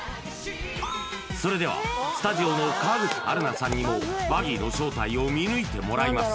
それではスタジオの川口春奈さんにもバギーの正体を見抜いてもらいます